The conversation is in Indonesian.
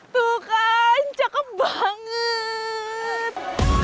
tuh kan cakep banget